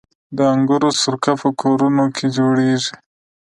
د انګورو سرکه په کورونو کې جوړیږي.